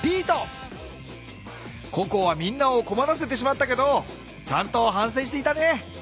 ココはみんなをこまらせてしまったけどちゃんとはんせいしていたね。